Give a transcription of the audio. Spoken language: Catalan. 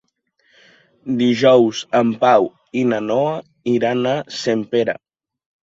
Dijous en Pau i na Noa iran a Sempere.